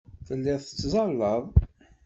Telliḍ tettẓallaḍ.